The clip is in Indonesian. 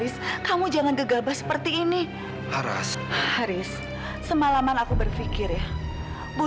sampai jumpa di video selanjutnya